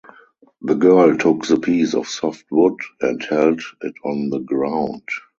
The girl took the piece of soft wood and held it on the ground.